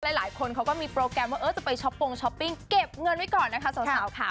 หลายคนเขาก็มีโปรแกรมว่าจะไปช้อปปงช้อปปิ้งเก็บเงินไว้ก่อนนะคะสาวค่ะ